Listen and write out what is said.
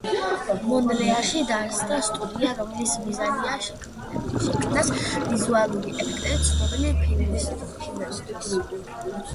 მონრეალში დაარსდა სტუდია, რომლის მიზანია შექმნას ვიზუალური ეფექტები ცნობილი ფილმებისთვის.